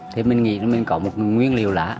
thì mình nghĩ là mình có một nguyên liệu lá